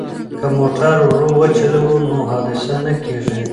که موټر ورو وچلوو نو حادثه نه کیږي.